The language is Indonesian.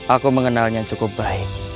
aku mengenalnya cukup baik